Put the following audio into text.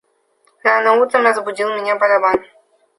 Рано утром разбудил меня барабан.